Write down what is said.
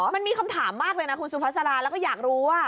มันมีคำถามมากเลยนะคุณสุภาษาราแล้วก็อยากรู้ว่า